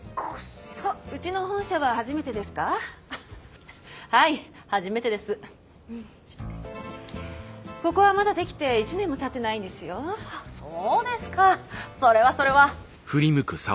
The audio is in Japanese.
そうですかそれはそれは。